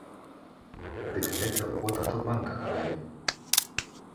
Дык гэта от хто банк аграбіў!